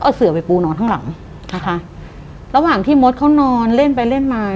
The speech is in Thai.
เอาเสือไปปูนอนข้างหลังนะคะระหว่างที่มดเขานอนเล่นไปเล่นมา